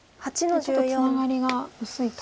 ちょっとツナガリが薄いと。